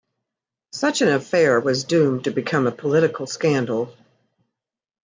Such an affair was doomed to become a political scandal.